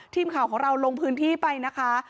ทีมข่าวของเราลงพื้นที่ไปนะคะ